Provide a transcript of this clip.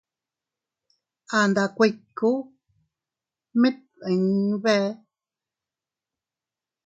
A nda kuiku mit dii bee.